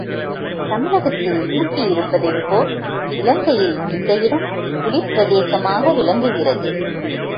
தமிழகத்தில் ஊட்டி இருப்பதைப் போல் இலங்கையில் இந்த இடம் குளிர்பபிரதேசமாக விளங்குகிறது.